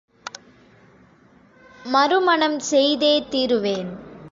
மறுமணம் செய்தே தீருவேன்.